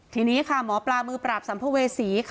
ทีนี้มปรามือปราบสัมภเวศี